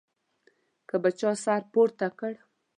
که به چا سر پورته کړ.